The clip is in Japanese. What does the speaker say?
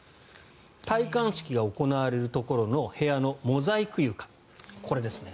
戴冠式が行われるところの部屋のモザイク床、これですね。